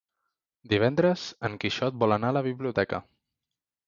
Divendres en Quixot vol anar a la biblioteca.